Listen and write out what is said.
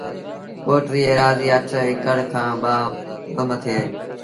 ڪوٽ ريٚ ايرآزيٚ اَٺ اڪڙ ڪآن با مٿي اهي